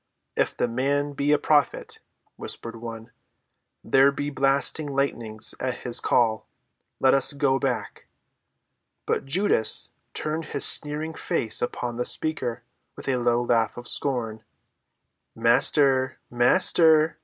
"If the man be a prophet," whispered one, "there be blasting lightnings at his call. Let us go back." But Judas turned his sneering face upon the speaker with a low laugh of scorn. "Master! Master!"